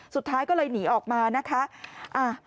สุดท้ายก็เลยหนีออกมานะคะ